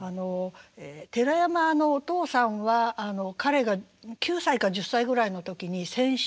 寺山のお父さんは彼が９歳か１０歳ぐらいの時に戦死しています。